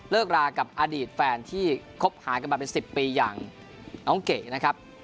รากับอดีตแฟนที่คบหากันมาเป็น๑๐ปีอย่างน้องเก๋นะครับ